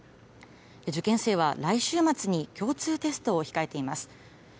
受験生は来週末に共通テストを控えています。